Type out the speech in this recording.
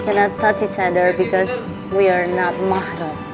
maaf kita tidak bisa berbicara sama lain karena kita tidak mahrum